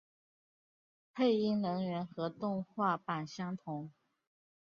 配音人员和动画版相同。